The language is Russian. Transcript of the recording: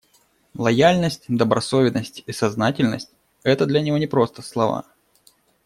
Лояльность, добросовестность и сознательность — это для него не просто слова.